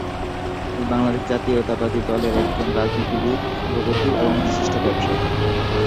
তিনি বাংলাদেশ জাতীয়তাবাদী দলের একজন রাজনীতিবিদ, শিল্পপতি এবং বিশিষ্ট ব্যবসায়ী।